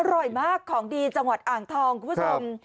อร่อยมากของดีจังหวัดอ่างทองคุณผู้ชม